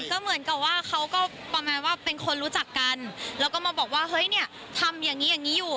ก็เหมือนกับว่าเขาก็ประมาณว่าเป็นคนรู้จักกันแล้วก็มาบอกว่าเฮ้ยเนี่ยทำอย่างนี้อย่างนี้อยู่